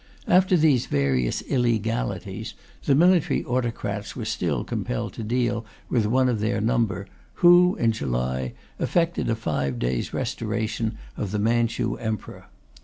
After these various illegalities, the military autocrats were still compelled to deal with one of their number, who, in July, effected a five days' restoration of the Manchu Emperor.